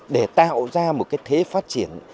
để tạo ra một cái thế phát triển